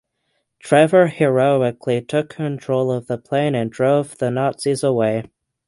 Trevor heroically took control of the plane and drove the Nazis away.